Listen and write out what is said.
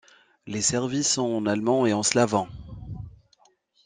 Les services sont en allemand et en slavon.